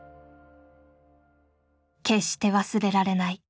決して忘れられない